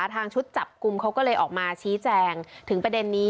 ทางชุดจับกลุ่มเขาก็เลยออกมาชี้แจงถึงประเด็นนี้